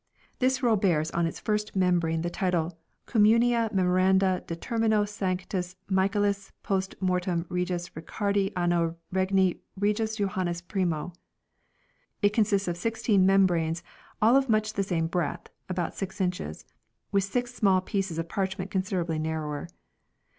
This roll bears on its first membrane the title, " Communia Memoranda de termino Sancti Michaelis post mortem Regis Ricardi anno regni Regis Johannis primo ". It consists of sixteen membranes all of much the same breadth (about 6 inches) with six small pieces of parchment considerably narrower.